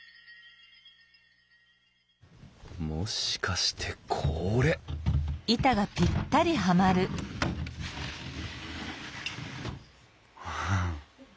もしかしてこれははん。